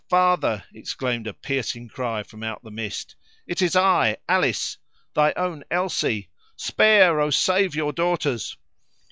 father!" exclaimed a piercing cry from out the mist: "it is I! Alice! thy own Elsie! Spare, oh! save your daughters!"